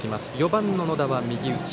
４番の野田は右打ち。